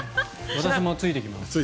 私もついていきます。